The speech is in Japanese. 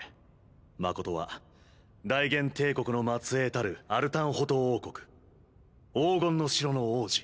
まことは大元帝国の末裔たるアルタンホト王国黄金の城の王子。